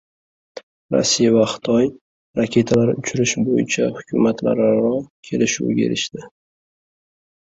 Rossiya va Xitoy raketalar uchirish bo‘yicha hukumatlararo kelishuvga erishdi